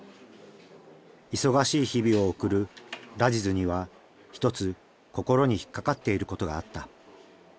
忙しい日々を送るラジズには一つ心に引っ掛かっていることがあった。